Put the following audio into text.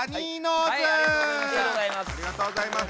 ありがとうございます。